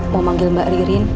mau manggil mbak ririn